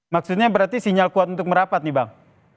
maksudnya berarti sinyal kuat untuk merapat nih bang